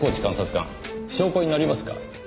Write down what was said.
監察官証拠になりますか？